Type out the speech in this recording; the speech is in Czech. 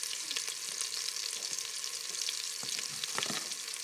Oběťmi vražd jsou často také nevinní kolemjdoucí.